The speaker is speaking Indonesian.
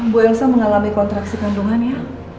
bu elsa mengalami kontraksi kandungan ya